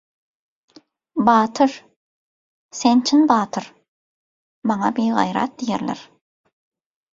- Batyr, sen çyn batyr. Maňa bigaýrat diýerler.